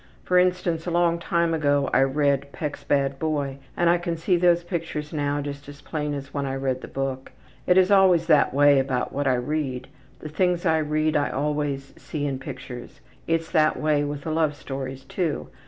For instance, a long time ago I read Peck's Bad Boy and I can see those pictures now just as plain as when I read the book. It is always that way about what I read. The things I read I always see in pictures. It's that way with the love stories too.